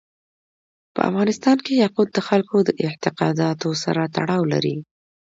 په افغانستان کې یاقوت د خلکو د اعتقاداتو سره تړاو لري.